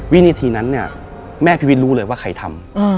วินาทีนั้นเนี่ยแม่พี่วิทย์รู้เลยว่าใครทำ